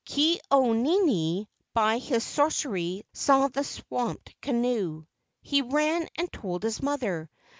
Ke au nini by his sorcery saw the swamped canoe. He ran and told his mother.